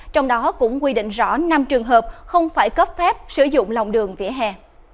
trong đó cũng quy định rõ năm trường hợp không phải cấp phép sử dụng lòng đường vỉa hè